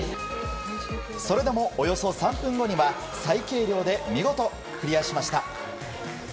それでも、およそ３分後には最計量で見事クリアしました。